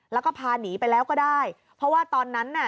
แล้วก็พาหนีไปแล้วก็ได้เพราะว่าตอนนั้นน่ะ